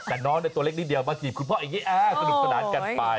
แต่น้องเนี้ยตัวเล็กนิดเดียวมาจีบคุณพ่อแบบนี้แอ๊ะสนุกสนานกันไป